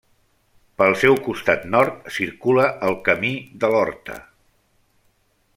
Pel seu costat nord circula el Camí de l'Horta.